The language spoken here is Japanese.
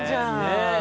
ねえ。